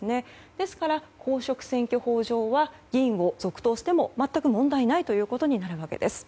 ですから公職選挙法上は議員を続投しても、全く問題ないということになるわけです。